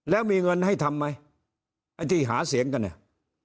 แล้วมีเงินให้ทำไหมไอ้ที่หาเสียงกันเนี่ย